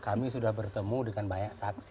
kami sudah bertemu dengan banyak saksi